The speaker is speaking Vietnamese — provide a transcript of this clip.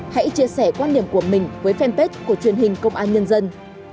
hãy chia sẻ quan điểm của mình với fanpage của truyền hình công an nhân dân